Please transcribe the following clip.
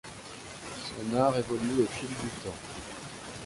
Son art évolue au fil du temps.